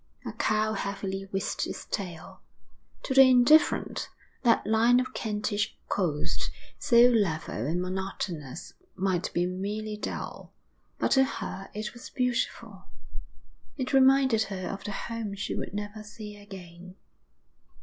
A cow heavily whisked its tail. To the indifferent, that line of Kentish coast, so level and monotonous, might be merely dull, but to her it was beautiful. It reminded her of the home she would never see again.